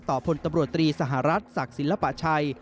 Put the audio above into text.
พลตำรวจตรีสหรัฐศักดิ์ศิลปะชัย